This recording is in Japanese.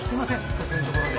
突然のところで。